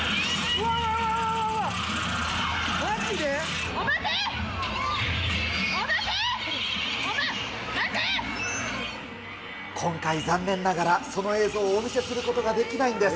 お化け、お化け、今回残念ながら、その映像をお見せすることができないんです。